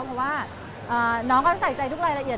เพราะว่าน้องก็ใส่ใจทุกรายละเอียด